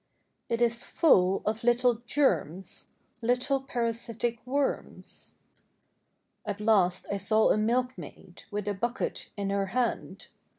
■ It is full of little germs— Little parasitic worms." At last I saw a milkmaid, With a bucket in her hand.